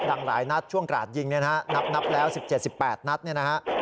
ดังหลายนัดช่วงกราดยิงเนี่ยนะฮะนับแล้ว๑๗๑๘นัดเนี่ยนะฮะ